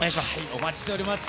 お待ちしております。